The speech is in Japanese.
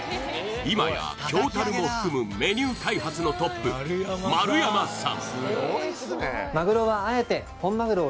今や京樽も含むメニュー開発のトップ丸山さん